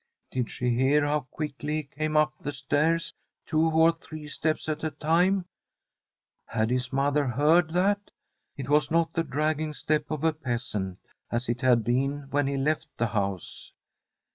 Did she hear how quickly he came up the stairs, two or three steps at a time ? Had his mother heard that ? It was not the dragging step of a peasant, as it had been when he left the house.